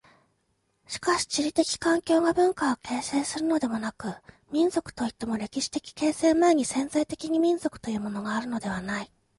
しかし地理的環境が文化を形成するのでもなく、民族といっても歴史的形成前に潜在的に民族というものがあるのではない。